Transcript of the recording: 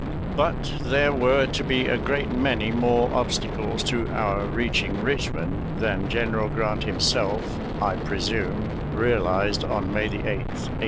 But there were to be a great many more obstacles to our reaching Richmond than General Grant himself, I presume, realized on May 8, 1864.